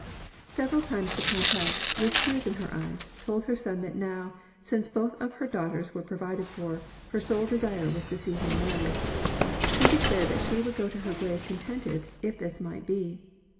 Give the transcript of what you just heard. Several times the countess, with tears in her eyes, told her son that now, since both of her daughters were provided for, her sole desire was to see him married. She declared that she would go to her grave contented, if this might be.